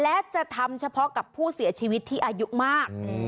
และจะทำเฉพาะกับผู้เสียชีวิตที่อายุมาก